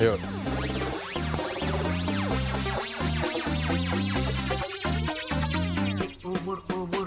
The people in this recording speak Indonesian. ubur ubur ubur